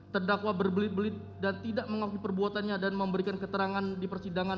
terdakwa berbelit belit dan tidak mengakui perbuatannya dan memberikan keterangan di persidangan